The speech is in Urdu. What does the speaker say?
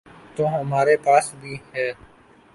تو ہمارے پاس بھی ہے۔